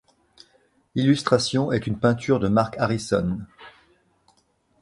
L'illustration est une peinture de Mark Harrison.